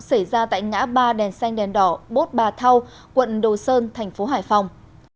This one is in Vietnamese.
xảy ra tại ngã ba đèn xanh đèn đỏ bốt bà thâu quận đồ sơn thành phố hải phòng